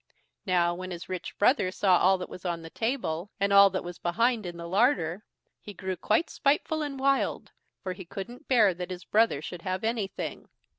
Now, when his rich brother saw all that was on the table, and all that was behind in the larder, he grew quite spiteful and wild, for he couldn't bear that his brother should have anything.